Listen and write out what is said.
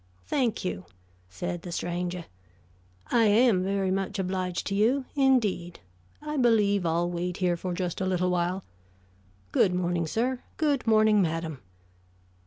"Thank you," said the stranger. "I am very much obliged to you, indeed. I believe I'll wait here for just a little while. Good morning, sir. Good morning, madam."